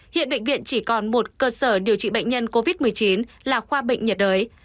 hiện bệnh viện chỉ còn một cơ sở điều trị bệnh nhân covid một mươi chín là khoa bệnh nhiệt đới